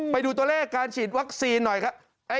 ไปดูตัวเลขการฉีดวัคซีนหน่อยครับ